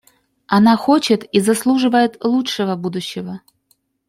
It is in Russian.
Она хочет и заслуживает лучшего будущего.